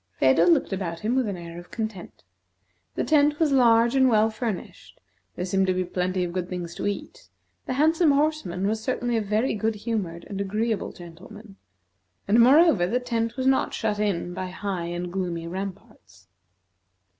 Phedo looked about him with an air of content. The tent was large and well furnished; there seemed to be plenty of good things to eat; the handsome horseman was certainly a very good humored and agreeable gentleman; and, moreover, the tent was not shut in by high and gloomy ramparts.